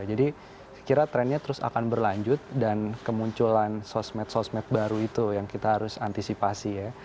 jadi kira trennya terus akan berlanjut dan kemunculan sosmed sosmed baru itu yang kita harus antisipasi ya